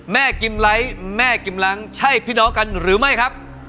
กิมไลท์แม่กิมลังใช่พี่น้องกันหรือไม่ครับ